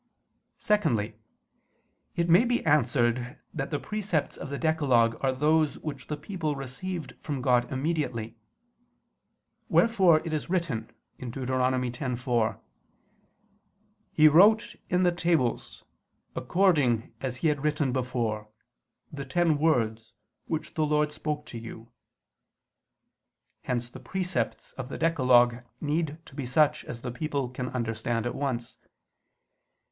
Secondly, it may be answered that the precepts of the decalogue are those which the people received from God immediately; wherefore it is written (Deut. 10:4): "He wrote in the tables, according as He had written before, the ten words, which the Lord spoke to you." Hence the precepts of the decalogue need to be such as the people can understand at once.